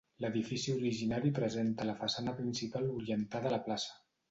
L'edifici originari presenta la façana principal orientada a la plaça.